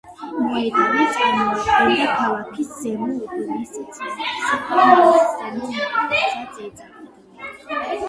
მოედანი წარმოადგენდა ქალაქის ზემო უბნის ცენტრს და მას ზემო მოედანსაც ეძახდნენ.